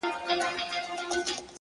ستا د دوو هنديو سترگو صدقې ته!